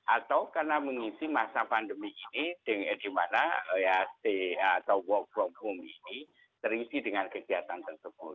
atau karena mengisi masa pandemi ini di mana east atau work from home ini terisi dengan kegiatan tersebut